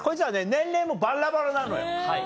年齢もバラバラなのよ。